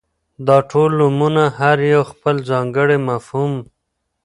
داټول نومونه هر يو خپل ځانګړى مفهوم ،